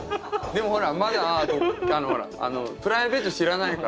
でもほらまだプライベート知らないから。